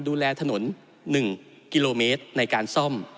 ที่เราจะต้องลดความเหลื่อมล้ำโดยการแก้ปัญหาเชิงโครงสร้างของงบประมาณ